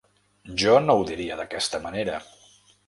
Jo no ho diria d’aquesta manera.